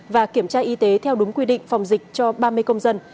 và kiểm tra y tế theo đúng quy định phòng dịch cho ba mươi công dân